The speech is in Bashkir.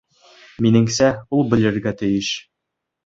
Минеңсә, ул белергә тейеш.